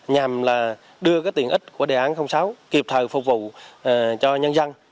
nhằm đưa tiện ích của đề án sáu kịp thời phục vụ cho nhân dân